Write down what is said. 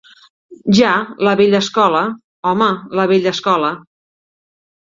Ja, la vella escola, home, la vella escola.